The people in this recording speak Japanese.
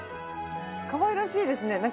かわいらしいですね。